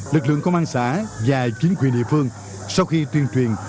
lực lượng công an xã và chính quyền địa phương sau khi tuyên truyền